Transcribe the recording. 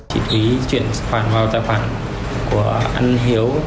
chỉ quý chuyển khoản vào tài khoản của anh hiếu